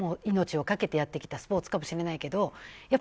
命を懸けてやってきたスポーツかもしれないけど